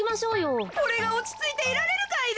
これがおちついていられるかいな。